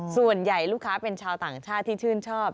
ส่วนใหญ่ลูกค้าเป็นชาวต่างชาติที่ชื่นชอบ